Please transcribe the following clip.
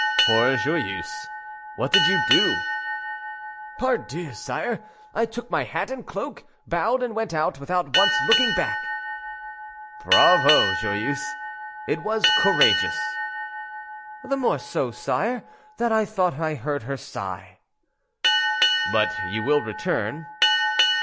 "' "Poor Joyeuse; what did you do?" "Pardieu, sire! I took my hat and cloak, bowed, and went out, without once looking back." "Bravo, Joyeuse; it was courageous." "The more so, sire, that I thought I heard her sigh." "But you will return?"